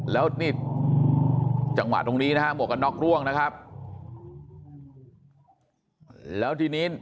แล้วนี่จังหวะตรงนี้นะฮะหมวกกันน็กร่วงนะครับแล้วทีนี้